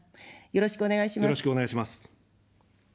よろしくお願いします。